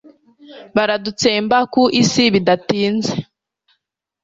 baradutsemba ku isi bidatinze